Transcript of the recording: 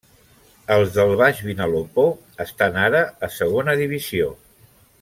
Els del Baix Vinalopó estan ara a Segona Divisió.